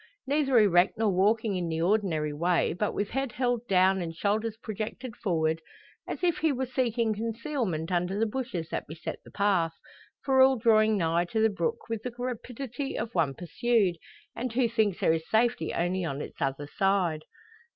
Neither erect nor walking in the ordinary way, but with head held down and shoulders projected forward, as if he were seeking concealment under the bushes that beset the path, for all drawing nigh to the brook with the rapidity of one pursued, and who thinks there is safety only on its other side!